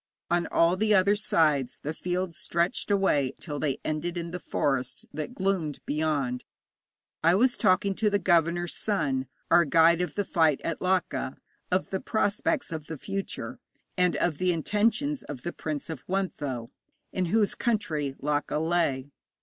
On all the other sides the fields stretched away till they ended in the forest that gloomed beyond. I was talking to the governor's son (our guide of the fight at Laka) of the prospects of the future, and of the intentions of the Prince of Wuntho, in whose country Laka lay.